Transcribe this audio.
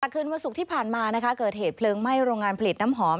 คืนวันศุกร์ที่ผ่านมานะคะเกิดเหตุเพลิงไหม้โรงงานผลิตน้ำหอม